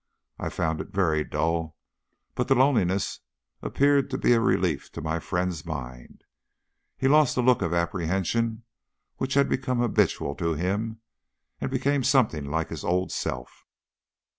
I found it very dull, but the loneliness appeared to be a relief to my friend's mind. He lost the look of apprehension which had become habitual to him, and became something like his old self.